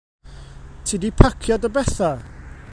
Ti 'di pacio dy betha?